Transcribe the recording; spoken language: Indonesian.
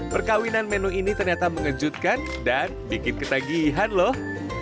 perkawinan menu ini ternyata mengejutkan dan bikin ketagihan loh